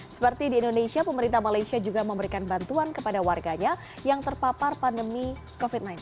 seperti di indonesia pemerintah malaysia juga memberikan bantuan kepada warganya yang terpapar pandemi covid sembilan belas